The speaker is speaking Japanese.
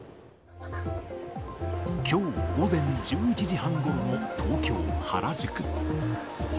きょう午前１１時半ごろの東京・原宿。